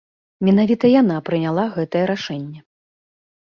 Менавіта яна прыняла гэтае рашэнне.